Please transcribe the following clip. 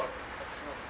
すいません。